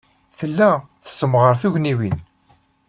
Tella tessemɣar tugniwin.